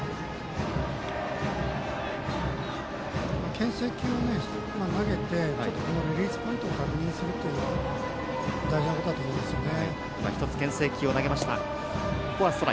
けん制球を投げてちょっとリリースポイントを確認するというのは大事なことだと思いますよね。